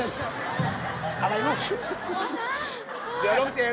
อะไรลูกขอนะโอ้โฮเดี๋ยวลูกเจน